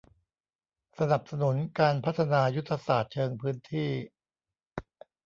สนับสนุนการพัฒนายุทธศาสตร์เชิงพื้นที่